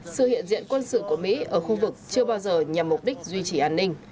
sự hiện diện quân sự của mỹ ở khu vực chưa bao giờ nhằm mục đích duy trì an ninh